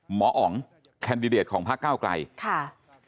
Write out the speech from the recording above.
หมออ๋องแคนดิเดตของภาคก้าวกลาย